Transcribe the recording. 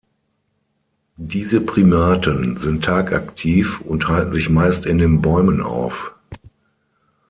Diese Primaten sind tagaktiv und halten sich meist in den Bäumen auf.